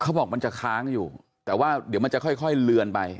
มันจะค้างอยู่แต่ว่าเดี๋ยวมันจะค่อยเลือนไป